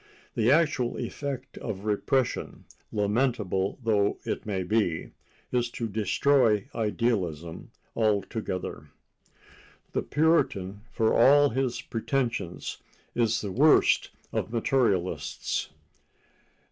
The actual effect of repression, lamentable though it may be, is to destroy idealism altogether. The Puritan, for all his pretensions, is the worst of materialists.